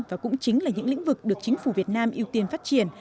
và cũng chính là những lĩnh vực được chính phủ việt nam ưu tiên phát triển